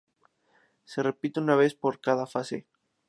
Se repite una vez por cada fase.